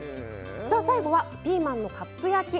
最後はピーマンのカップ焼き。